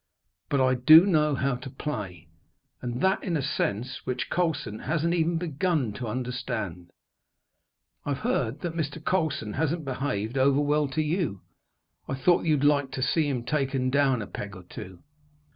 But I do know how to play, and that in a sense which Colson hasn't even begun to understand. I've heard that Mr. Colson hasn't behaved over well to you. I thought that you'd like to see him taken down a peg or two."